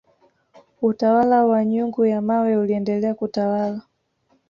utawala wa nyungu ya mawe uliendelea kutawala